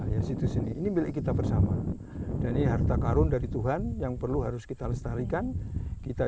dan ini ini milik kita bersama dan ini harta karun dari tuhan yang perlu harus kita lestarikan kita